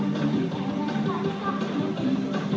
ตรงตรงตรงตรง